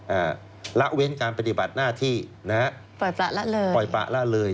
ละเว้นการปฏิบัติหน้าที่นะฮะปล่อยประละเลยปล่อยปะละเลย